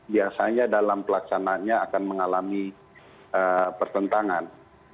biasanya dalam pelaksanaannya akan mengalami pertentangan